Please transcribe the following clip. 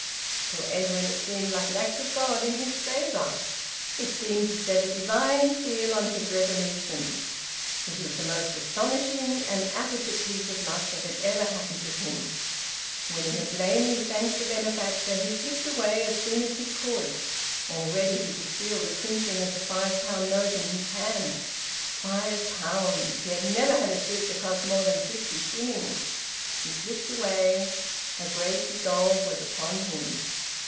To Edwin, it seemed like an act of God in his favour. It seemed to set a divine seal on his resolutions. It was the most astonishing and apposite piece of luck that had ever happened to him. When he had lamely thanked the benefactor, he slipped away as soon as he could. Already he could feel the crinkling of the five pound note in his hand. Five pounds! He had never had a suit that cost more than fifty shillings. He slipped away. A great resolve was upon him.